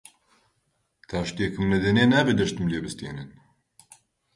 تا شتێکم نەدەنێ نابێ دە شتم لێ بستێنن